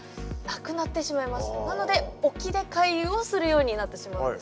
なので沖で回遊をするようになってしまうんですね。